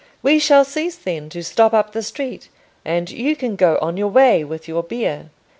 "We shall cease then to stop up the street, and you can go on your way with your bier."